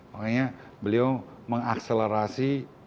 makanya beliau mengakselerasi